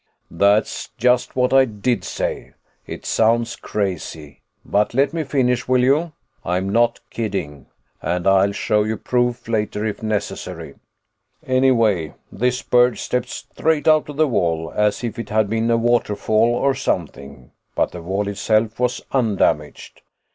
"That's just what I did say. It sounds crazy, but let me finish, will you? I'm not kidding, and I'll show you proof later if necessary. "Anyway, this bird stepped straight out of the wall as if it had been a waterfall or something, but the wall itself was undamaged.